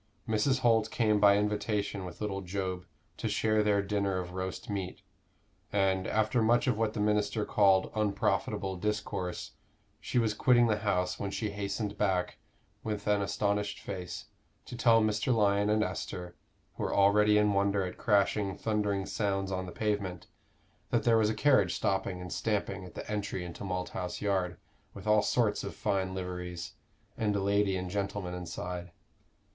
Mrs. Holt came by invitation with little Job to share their dinner of roast meat; and, after much of what the minister called unprofitable discourse, she was quitting the house when she hastened back with an astonished face, to tell Mr. Lyon and Esther, who were already in wonder at crashing, thundering sounds on the pavement, that there was a carriage stopping and stamping at the entry into Malthouse Yard, with "all sorts of fine liveries," and a lady and gentleman inside.